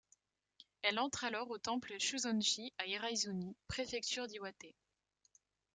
Elle entre alors au temple Chūsonji à Hiraizumi, préfecture d'Iwate.